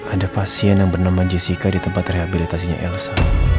ada pasien yang bernama jessica di tempat rehabilitasinya elsa